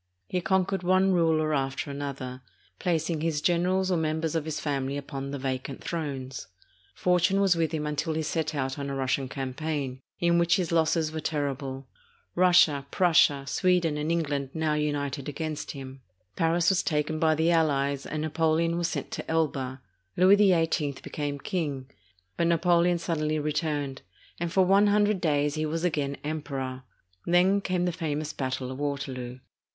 He con quered one ruler after another, placing his generals or mem bers of his family upon the vacant thrones. Fortune was with him until he set out on a Russian campaign, in which his losses were terrible. Russia, Prussia, Sweden, and Eng land now united against him. Paris was taken by the allies, and Napoleon was sent to Elba. Louis XVIII became king; but Napoleon suddenly returned, and for one hundred days he was again Emperor. Then came the famous battle of Waterloo.